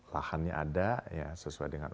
lahannya ada ya sesuai dengan